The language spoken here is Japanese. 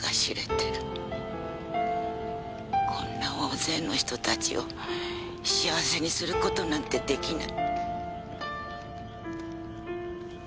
こんな大勢の人たちを幸せにする事なんて出来ない。